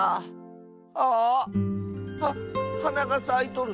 ああっ⁉ははながさいとる！